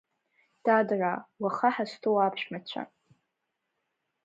Дадраа, уаха ҳазҭоу аԥшәмацәа!